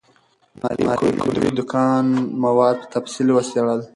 ماري کوري د کان مواد په تفصیل وڅېړل.